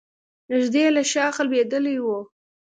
نژدې له شاخه لوېدلی و.